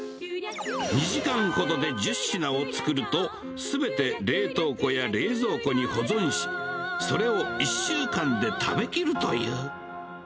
２時間ほどで１０品を作ると、すべて冷凍庫や冷蔵庫へ保存し、それを１週間で食べきるという。